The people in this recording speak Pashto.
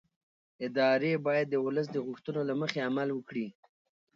ادارې باید د ولس د غوښتنو له مخې عمل وکړي